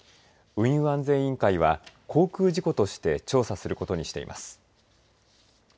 運輸安全委員会は航空事故として調査することにしています。